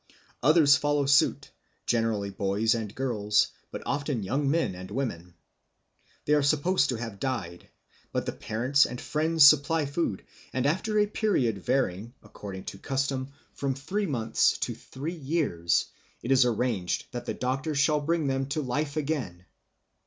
Others follow suit, generally boys and girls, but often young men and women. ... They are supposed to have died. But the parents and friends supply food, and after a period varying, according to custom, from three months to three years, it is arranged that the doctor shall bring them to life again.